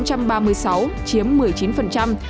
cách ly tại nhà là chín tám trăm ba mươi sáu chiếm một mươi chín